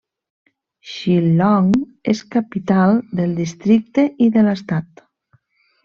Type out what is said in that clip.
Shillong és capital del districte i de l'estat.